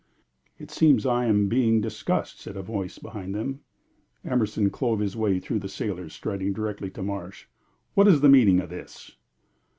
"It seems I am being discussed," said a voice behind them. Emerson clove his way through the sailors, striding directly to Marsh. "What is the meaning of this?"